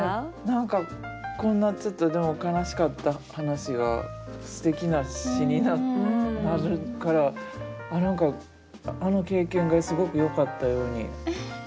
何かこんなちょっと悲しかった話がすてきな詩になるから何かあの経験がすごくよかったように。